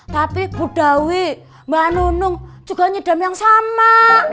tapi bu dawi mbak nunung juga nyidam yang sama